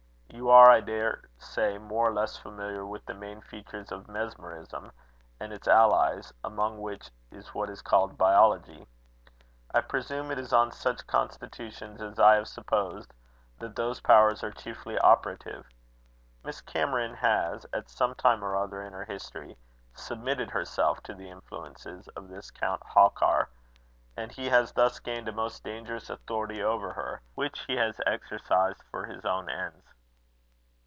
You are, I dare say, more or less familiar with the main features of mesmerism and its allies, among which is what is called biology. I presume it is on such constitutions as I have supposed, that those powers are chiefly operative. Miss Cameron has, at some time or other in her history, submitted herself to the influences of this Count Halkar; and he has thus gained a most dangerous authority over her, which he has exercised for his own ends."